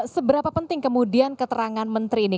seberapa penting kemudian keterangan menteri ini